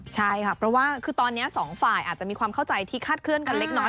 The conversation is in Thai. ใช่ค่ะเพราะว่าคือตอนนี้สองฝ่ายอาจจะมีความเข้าใจที่คาดเคลื่อนกันเล็กน้อย